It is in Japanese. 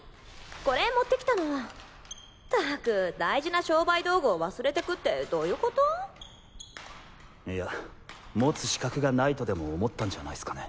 これ持って来たのったく大事な商売道具を忘れてくってどゆこと？いや持つ資格がないとでも思ったんじゃないっすかね。